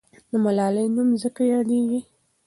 د ملالۍ نوم ځکه یاديږي.